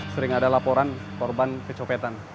sering ada laporan korban kecopetan